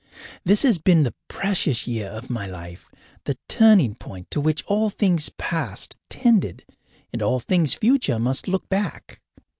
This has been the precious year of my life, the turning point to which all things past tended and all things future must look back.